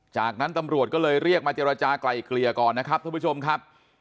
จากนั้นตำรวจก็เลยเรียกมาเจรจากลายเกลี่ยก่อนนะครับท่านผู้ชมครับ